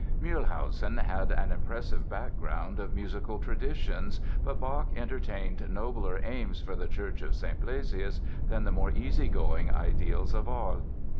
Mühlhausen had an impressive background of musical traditions but Bach entertained nobler aims for the Church of St. Blasius than the more easygoing ideals of Ahle.